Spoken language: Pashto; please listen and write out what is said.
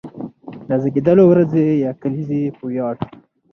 د زېږېدلو ورځې يا کليزې په وياړ،